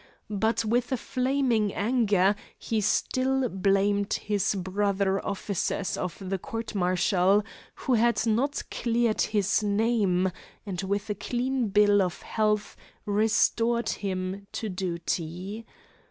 But with a flaming anger he still blamed his brother officers of the court martial who had not cleared his name and with a clean bill of health restored him to duty.